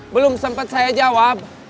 belum sempat saya jawab